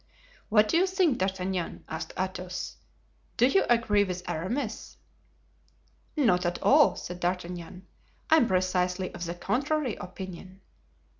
"What do you think, D'Artagnan?" asked Athos. "Do you agree with Aramis?" "Not at all," said D'Artagnan; "I am precisely of the contrary opinion."